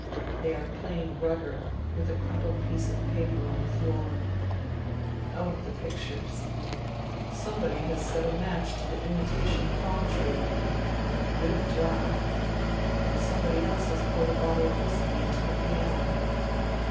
... They are playing rugger with a crumpled piece of paper on the floor. Oh ! the pictures. Somebody has set a match to the imitation palm tree. Good job ! And somebody else has poured a bottle of whisky into the piano.